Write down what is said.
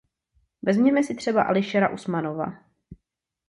Vezměme si třeba Ališera Usmanova.